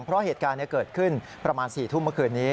เพราะเหตุการณ์เกิดขึ้นประมาณ๔ทุ่มเมื่อคืนนี้